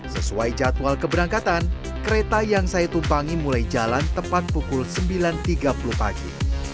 sesuai jadwal keberangkatan kereta yang saya tumpangi mulai jalan tepat pukul sembilan tiga puluh pagi